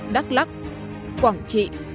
đắk lắc quảng trị